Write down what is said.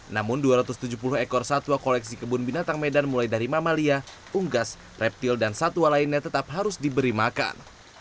namun dua ratus tujuh puluh ekor satwa koleksi kebun binatang medan mulai dari mamalia unggas reptil dan satwa lainnya tetap harus diberi makan